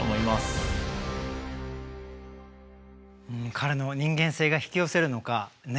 彼の人間性が引き寄せるのかね